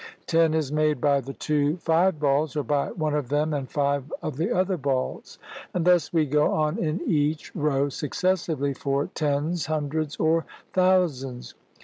Ten is made by the two five balls, or by one of them and five of the other balls. And thus we go on in each row successively for tens, hundreds, or thousands.